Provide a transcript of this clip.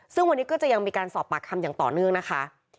ซึ่งวันนี้ก็จะยังมีการสอบปากคำอย่างต่อเนื่องนะคะ